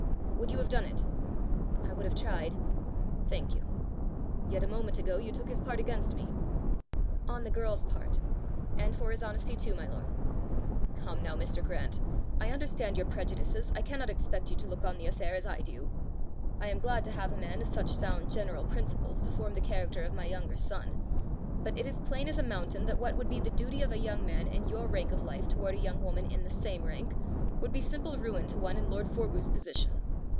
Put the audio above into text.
Would you have done it?" "I would have tried." "Thank you. Yet a moment ago you took his part against me!" "On the girl's part and for his honesty too, my lord!" "Come now, Mr. Grant! I understand your prejudices, I cannot expect you to look on the affair as I do. I am glad to have a man of such sound general principles to form the character of my younger son; but it is plain as a mountain that what would be the duty of a young man in your rank of life toward a young woman in the same rank, would be simple ruin to one in lord Forgue's position.